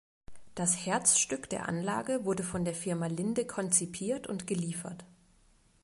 Das Herzstück der Anlage wurde von der Firma Linde konzipiert und geliefert.